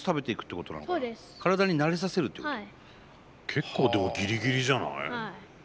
結構でもギリギリじゃない？はい。